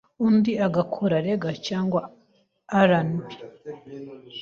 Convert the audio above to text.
n’undi agakora Reggae cyangwa RnB